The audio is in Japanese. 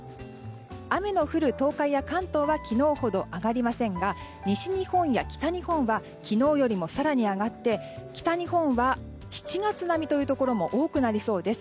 雨の降る東海や関東は昨日ほど上がりませんが西日本や北日本は昨日より更に上がって北日本は７月並みというところも多くなりそうです。